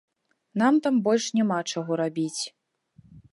Нам там больш няма чаго рабіць.